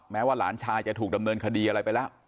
ว่าหลานชายจะถูกดำเนินคดีอะไรไปแล้ว